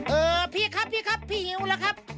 เออพี่ครับพี่ครับพี่หิวล่ะครับ